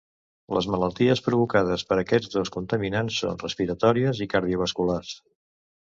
Les malalties provocades per aquests dos contaminants són respiratòries i cardiovasculars.